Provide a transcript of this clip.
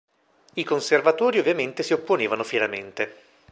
I conservatori ovviamente si opponevano fieramente.